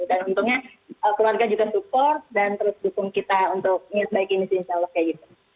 dan untungnya keluarga juga support dan terus dukung kita untuk ingin sebaik ini sih insya allah kayak gitu